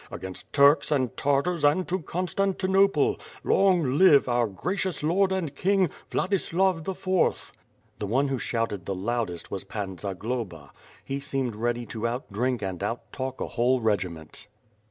Against Turks and Tartars, and to Constantinople. Long live our gracious Lord and King, Vladislav the Fourth." The one who shouted the loudest was Pan Zagloba. He seemed ready to out drink and out talk a whole regiment.